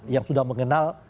yang sudah mengenal